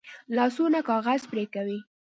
لاسونه کاغذ پرې کوي